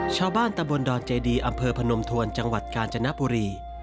ชาวบ้านตะบนดอนเจดีอำเภอพนมทวนจังหวัดกาญจนบุรี